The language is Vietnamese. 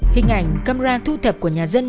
hình ảnh camera thu thập của nhà dân